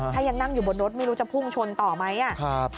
ถ้ายังนั่งอยู่บนรถไม่รู้จะพุ่งชนต่อไหม